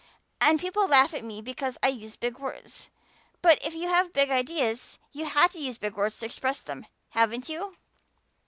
And people laugh at me because I use big words. But if you have big ideas you have to use big words to express them, haven't you?"